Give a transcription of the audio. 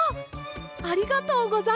ありがとうございます！